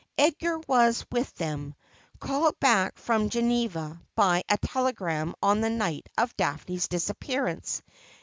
Edgar was with them ; called back from Geneva by a telegram on the night of Daphne's disappearance.